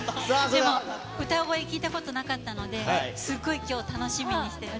でも、歌声聴いたことなかったので、すごいきょう、楽しみにして。